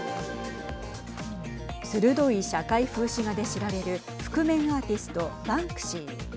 鋭い社会風刺画で知られる覆面アーティスト、バンクシー。